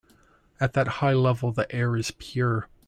At that high level the air is pure.